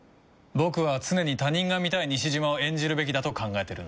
僕は常に他人が見たい西島を演じるべきだと考えてるんだ。